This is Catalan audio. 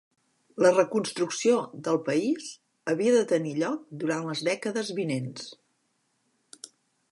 La reconstrucció del país havia de tenir lloc durant les dècades vinents.